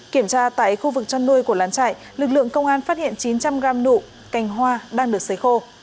kiểm tra tại khu vực chăn nuôi của lán trại lực lượng công an phát hiện chín trăm linh gram nụ cành hoa đang được xấy khô